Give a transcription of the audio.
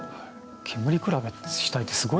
煙くらべしたいってすごい感情ですね。